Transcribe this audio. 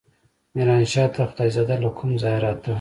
ميرانشاه ته خدايزده له کوم ځايه راته.